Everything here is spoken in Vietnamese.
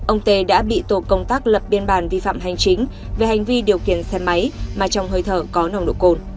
ông tê đã bị tổ công tác lập biên bản vi phạm hành chính về hành vi điều khiển xe máy mà trong hơi thở có nồng độ cồn